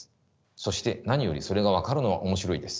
そして何よりそれが分かるのは面白いです。